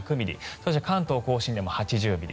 そして関東・甲信でも８０ミリ